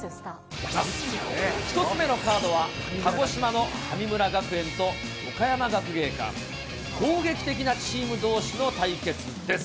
１つ目のカードは、鹿児島の神村学園と岡山学芸館が攻撃的なチームどうしの対決です。